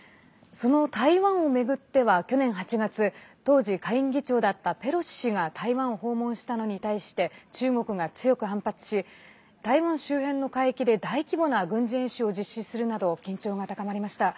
その台湾を巡っては去年８月当時、下院議長だったペロシ氏が台湾を訪問したのに対して中国が強く反発し台湾周辺の海域で大規模な軍事演習を実施するなど緊張が高まりました。